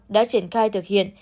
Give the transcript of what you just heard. đã triển khai thực hiện